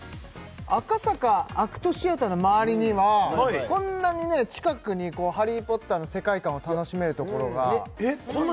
赤坂ＡＣＴシアターの周りにはこんなにね近くにこう「ハリー・ポッター」の世界観を楽しめるところがえっこんなに？